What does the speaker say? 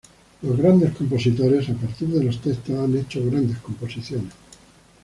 Los grandes compositores a partir de los textos han hecho grandes composiciones.